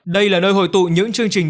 đây là nơi hồi tụ những chương trình